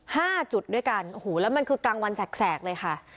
ห้าจุดด้วยกันโอ้โหแล้วมันคือกลางวันแสกแสกเลยค่ะ